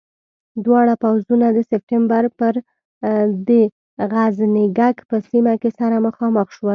دواړه پوځونه د سپټمبر پر د غزنيګک په سیمه کې سره مخامخ شول.